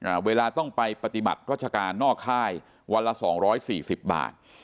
เวลาต้องไปปฏิบัติราชการนอกค่ายวันละสองร้อยสี่สิบบาท